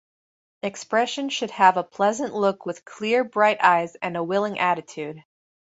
Expression should have a pleasant look with clear, bright eyes and a willing attitude.